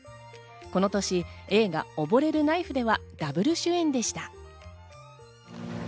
この年、映画『溺れるナイフ』ではダブル主演でした。